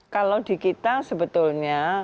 kalau di kita sebetulnya